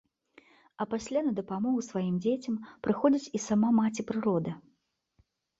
А пасля на дапамогу сваім дзецям прыходзіць і сама маці-прырода.